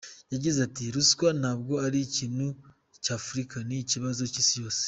Yagize ati “Ruswa ntabwo ari ikintu cya Afurika, ni ikibazo cy’Isi yose.